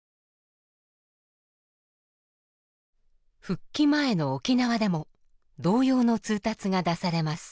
復帰前の沖縄でも同様の通達が出されます。